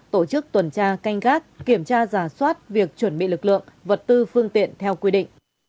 tổ chức tuần tra canh gác kiểm tra giả soát việc chuẩn bị lực lượng vật tư phương tiện theo quy định